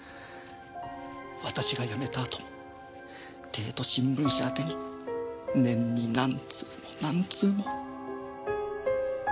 私が辞めた後も帝都新聞社宛てに年に何通も何通も。